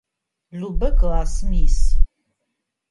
Любэ классым иыс.